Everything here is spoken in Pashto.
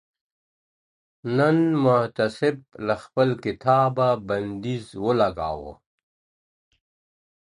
نن محتسب له خپل کتابه بندیز ولګاوه.